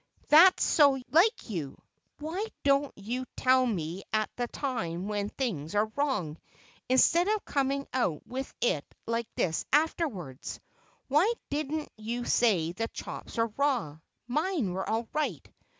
"That's so like you! Why don't you tell me at the time when things are wrong, instead of coming out with it like this, afterwards? Why didn't you say the chops were raw? Mine were all right."